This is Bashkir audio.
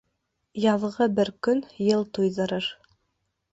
Яҙғы бер көн йыл туйҙырыр.